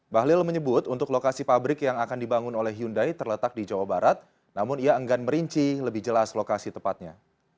bahlil menyebut untuk lokasi pabrik yang akan dibangun oleh hyundai terletak di jawa barat namun ia enggan merinci lebih jelas lokasi tepatnya